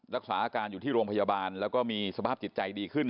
รักษาอาการอยู่ที่โรงพยาบาลแล้วก็มีสภาพจิตใจดีขึ้น